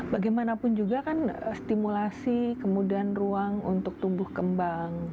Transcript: bagaimanapun juga kan stimulasi kemudian ruang untuk tumbuh kembang